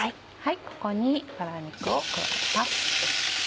ここにバラ肉を加えます。